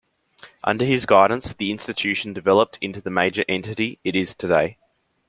Under his guidance, the institution developed into the major entity it is today.